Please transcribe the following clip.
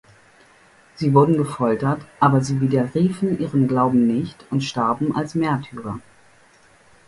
Sie wurden gefoltert, aber sie widerriefen ihren Glauben nicht und starben als Märtyrer.